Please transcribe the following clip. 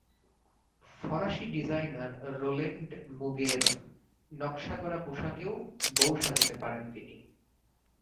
ফরাসি designer Roland মুগের নকশা করা পোশাকেও বউ সাজতে পারেন তিনি।